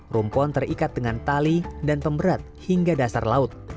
rumpon terikat dengan tali dan pemberat hingga dasar laut